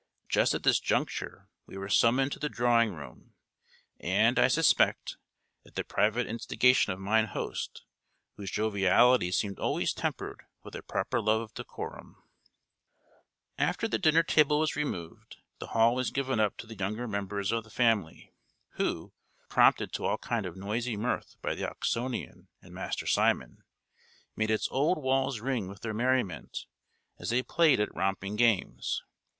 Just at this juncture we were summoned to the drawing room, and, I suspect, at the private instigation of mine host, whose joviality seemed always tempered with a proper love of decorum. After the dinner table was removed, the hall was given up to the younger members of the family, who, prompted to all kind of noisy mirth by the Oxonian and Master Simon, made its old walls ring with their merriment, as they played at romping games.